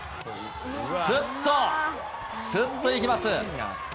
すっと、すっといきます。